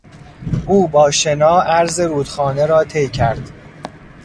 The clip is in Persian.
او با شنا عرض رودخانه را طی کرد.